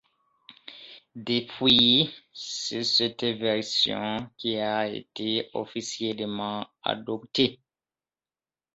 Depuis, c'est cette version qui a été officiellement adoptée.